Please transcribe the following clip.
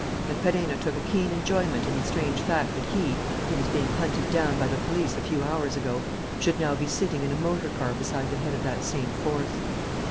And Perenna took a keen enjoyment in the strange fact that he, who was being hunted down by the police a few hours ago, should now be sitting in a motor car beside the head of that same force.